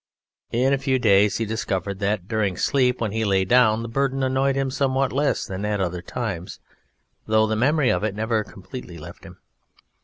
In a few days he discovered that during sleep, when he lay down, the Burden annoyed him somewhat less than at other times, though the memory of it never completely left him.